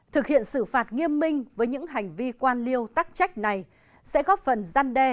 thực hiện xử phạt nghiêm minh với những hành vi quan liêu tắc trách này sẽ góp phần gian đe